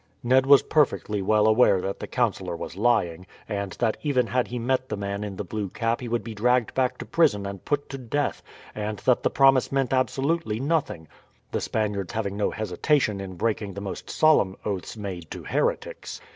Ned was perfectly well aware that the councillor was lying, and that even had he met the man in the blue cap he would be dragged back to prison and put to death, and that the promise meant absolutely nothing the Spaniards having no hesitation in breaking the most solemn oaths made to heretics.